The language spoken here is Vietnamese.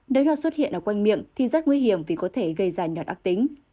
nếu nó xuất hiện ở quanh miệng thì rất nguy hiểm vì có thể gây ra nhọt ác tính